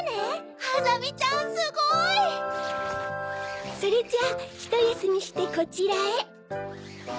あざみちゃんすごい！それじゃあひとやすみしてこちらへ。